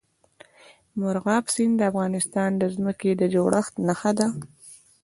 مورغاب سیند د افغانستان د ځمکې د جوړښت نښه ده.